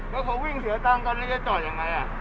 แล้วเขาวิ่งเสียตังค์ตอนนี้จะจอดยังไง